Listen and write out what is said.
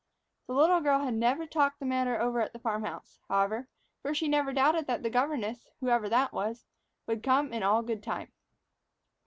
The little girl had never talked the matter over at the farm house, however, for she never doubted that the governess, whatever that was, would come all in good time.